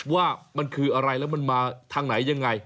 ว่ามันคืออะไรแล้วมันมาทางไหนยังไง